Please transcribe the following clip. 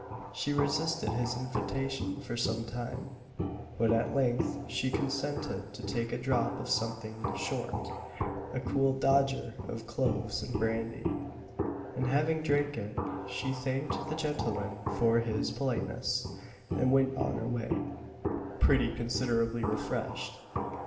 She resisted his invitation for some time; but at length she consented to take a drop of something short a cool dodger of cloves and brandy; and having drank it, she thanked the gentleman for his politeness, and went on her way pretty considerably refreshed.